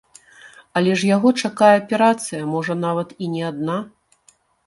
Але ж яго чакае аперацыя, можа нават і не адна.